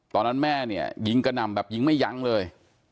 ตอนนั้นแม่เนี่ยยิงกระหน่ำแบบยิงไม่ยั้งเลย